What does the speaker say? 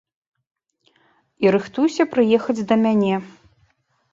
І рыхтуйся прыехаць да мяне.